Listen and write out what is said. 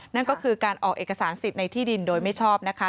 นั่นก็คือการออกเอกสารสิทธิ์ในที่ดินโดยไม่ชอบนะคะ